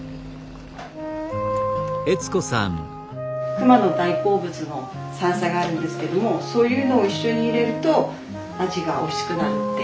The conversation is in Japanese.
熊の大好物の山菜があるんですけどもそういうのを一緒に入れると味がおいしくなるって。